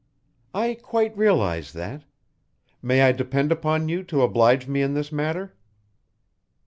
"I quite realize that. May I depend upon you to oblige me in this matter?"